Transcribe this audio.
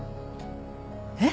えっ？